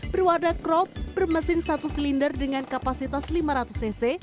berwarda crop bermesin satu silinder dengan kapasitas lima ratus cc